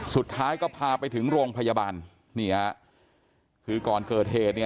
สุดท้ายก็พาไปถึงโรงพยาบาลนี่ฮะคือก่อนเกิดเหตุเนี่ย